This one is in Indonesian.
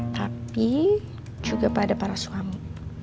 tapi juga pada para suami